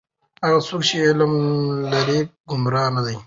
هغه څوک چې علم لري گمراه نه دی.